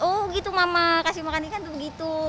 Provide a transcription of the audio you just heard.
oh gitu mama kasih makan ikan tuh begitu